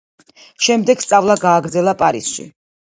შემდეგ სწავლა გააგრძელა პარიზში.